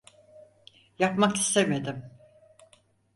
Yapmak istemedim.